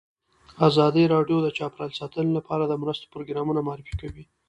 ازادي راډیو د چاپیریال ساتنه لپاره د مرستو پروګرامونه معرفي کړي.